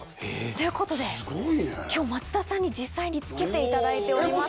ということで今日松田さんに実際に着けていただいております。